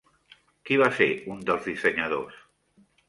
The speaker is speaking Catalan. Qui va ser un dels dissenyadors?